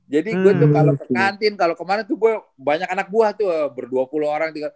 jadi gue tuh kalo ke kantin kalo kemana tuh gue banyak anak buah tuh berdua puluh orang